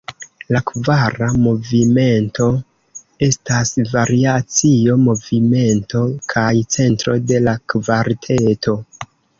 La kvara movimento estas variacio-movimento kaj centro de la kvarteto.